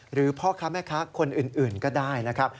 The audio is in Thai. พ่อค้าแม่ค้าคนอื่นก็ได้นะครับ